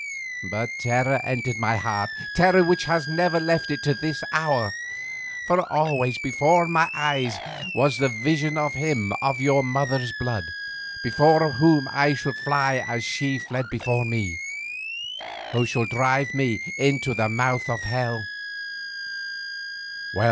But terror entered my heart, terror which has never left it to this hour, for always before my eyes was the vision of him of your mother's blood, before whom I should fly as she fled before me, who shall drive me into the mouth of hell."